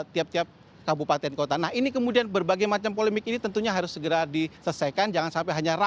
tiap tiap kabupaten kota nah ini kemudian berbagai macam polemik ini tentunya harus segera diselesaikan jangan sampai hanya